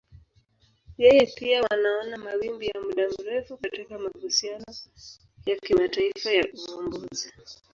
Yeye pia wanaona mawimbi ya muda mrefu katika mahusiano ya kimataifa ya uvumbuzi.